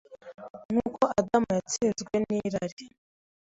Nk’uko Adamu yatsinzwe n’irari,